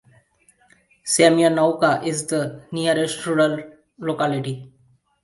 Semyonovka is the nearest rural locality.